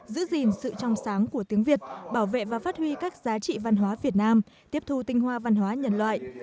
giữ gìn sự trong sáng của tiếng việt bảo vệ và phát huy các giá trị văn hóa việt nam tiếp thu tinh hoa văn hóa nhân loại